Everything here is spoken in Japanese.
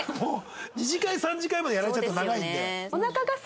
２次会３次会までやられちゃうと長いんで。